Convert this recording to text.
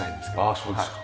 ああそうですか。